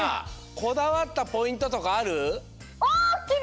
こだわったポイントとかある？